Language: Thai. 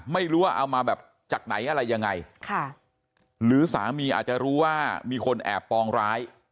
ไม่รู้ว่าเอามาแบบจากไหนอะไรยังไงค่ะหรือสามีอาจจะรู้ว่ามีคนแอบปองร้าย